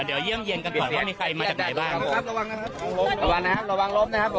เดี๋ยวเยี่ยมเยี่ยมกันก่อนว่ามีใครมาจากไหนบ้าง